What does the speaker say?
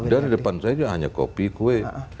dari depan saya itu hanya kopi kue